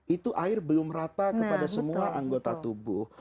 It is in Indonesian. itu air belum rata kepada semua anggota tubuh